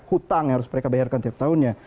hutang yang harus mereka bayarkan tiap tahunnya